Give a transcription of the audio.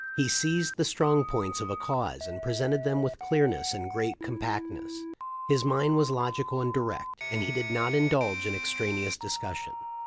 He seized the strong points of a cause and presented them with clearness and great compactness. His mind was logical and direct, and he did not indulge in extraneous discussion.